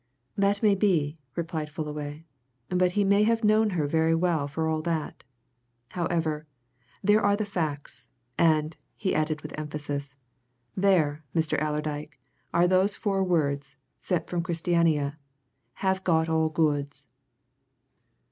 "That may be." replied Fullaway. "But he may have known her very well for all that. However, there are the facts. And," he added, with emphasis, "there, Mr. Allerdyke, are those four words, sent from Christiania, 'Have got all goods!'